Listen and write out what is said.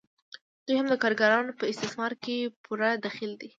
دوی هم د کارګرانو په استثمار کې پوره دخیل دي